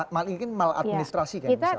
maling lain mal administrasi kan misalnya